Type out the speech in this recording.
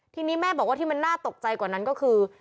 ทีนี้แม่บอกว่าที่มันน่าตกใจกว่านั้นก็คือ